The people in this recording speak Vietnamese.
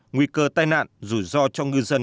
nguy cơ tai nạn rủi ro cho ngư dân